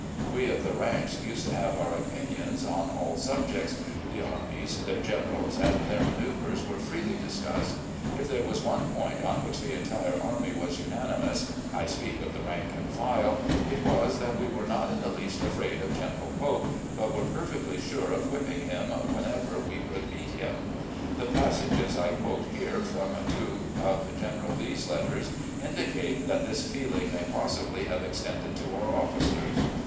We, of the ranks, used to have otu* opinions on all subjects. The armies, their generals, and their manoeu vres were freely discussed. If there was one point on which the entire army was unanimous — I speak of the rank and file — ^it was that we were not in the least afraid of General Pope, but were perfectly sure of whipping him whenever we could meet him. The passages I quote here from two of General Lee's letters indicate that this feeling may possibly have extended to our officers.